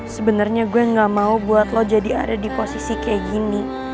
sebenarnya gue gak mau buat lo jadi ada di posisi kayak gini